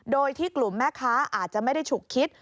โดยที่กลุ่มแม่ค้าอาจจะไม่ได้ฉุกคิด